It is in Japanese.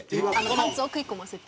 パンツを食い込ませて。